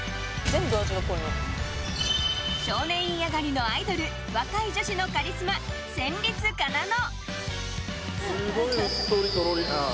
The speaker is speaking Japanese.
少年院上がりのアイドル若い女子のカリスマ、戦慄かなの。